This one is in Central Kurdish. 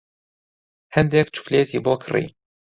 هەندێک چوکلێتی بۆ کڕی.